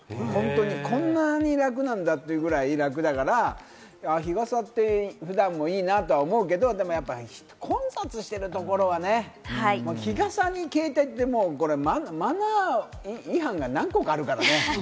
こんなに楽なんだっていうぐらい楽だから、日傘って普段もいいなとは思うけど、混雑しているところはね、日傘に携帯ってマナー違反が何個かあるからね。